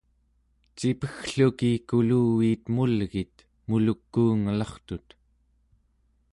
cipeggluki kuluviit emulgit muluk'uungelartut